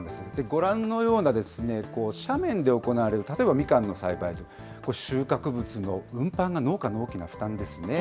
ご覧のような斜面で行われる、例えばみかんの栽培、収穫物の運搬が農家の大きな負担ですね。